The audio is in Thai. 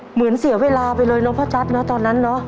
เหมือนเสียเวลาไปเลยเนอะพ่อจั๊ดเนอะตอนนั้นเนอะ